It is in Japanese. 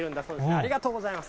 ありがとうございます。